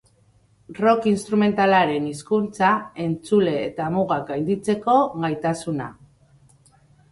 Rock instrumentalaren hizkuntza, entzule eta mugak gainditzeko gaitasuna.